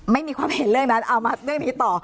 ไม่มีความเห็นเรื่องนั้นเอามาเรื่องนี้ต่อ